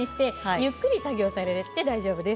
ゆっくり作業されて大丈夫です。